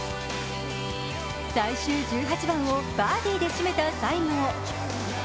最終１８番をバーディーで締めた西郷。